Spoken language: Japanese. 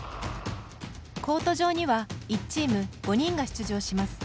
コート上には１チーム、５人が出場します。